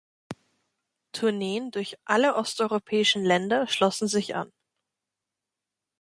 Tourneen durch alle osteuropäischen Länder schlossen sich an.